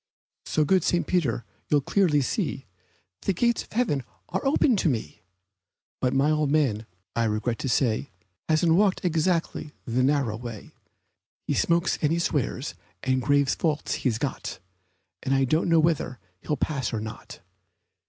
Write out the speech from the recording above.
So good St. Peter, you'll clearly see The gate of heaven is open to me; But my old man, I regret to say, Hasn't walked exactly the narrow way He smokes and he swears, and grave faults he's got, And I don't know whether he will pass or not.